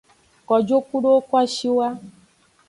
Kojo kudo kwashiwa.